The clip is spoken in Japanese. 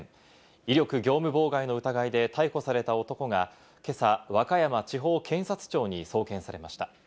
威力業務妨害の疑いで逮捕された男が今朝、和歌山地方検察庁に送検されました。